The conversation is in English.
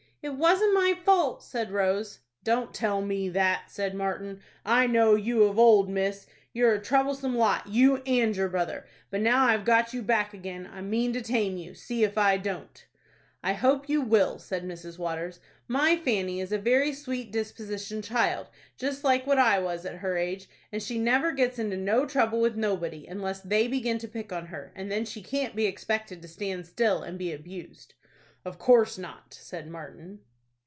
"It wasn't my fault," said Rose. "Don't tell me that," said Martin. "I know you of old, miss. You're a troublesome lot, you and your brother; but now I've got you back again, I mean to tame you; see if I don't." "I hope you will," said Mrs. Waters; "my Fanny is a very sweet dispositioned child, just like what I was at her age; and she never gets into no trouble with nobody, unless they begin to pick on her, and then she can't be expected to stand still, and be abused." "Of course not," said Martin.